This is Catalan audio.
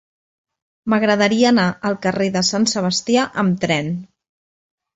M'agradaria anar al carrer de Sant Sebastià amb tren.